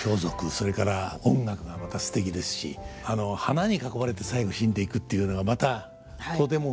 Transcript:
それから音楽がまたすてきですしあの花に囲まれて最後死んでいくっていうのがまたとてもすてきですね。